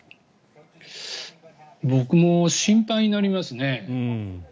僕も心配になりますね。